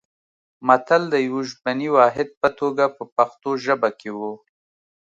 متل د یوه ژبني واحد په توګه په پښتو ژبه کې و